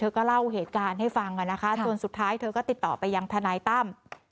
ก็เล่าเหตุการณ์ให้ฟังนะคะจนสุดท้ายเธอก็ติดต่อไปยังทนายตั้ม